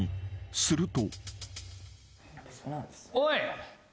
すると］